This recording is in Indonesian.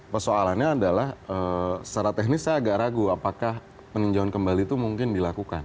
persoalannya adalah secara teknis saya agak ragu apakah peninjauan kembali itu mungkin dilakukan